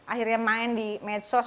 akhirnya main di medsos